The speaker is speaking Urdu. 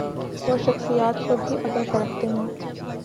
وہ شخصیات کو بھی اگر پرکھتے ہیں۔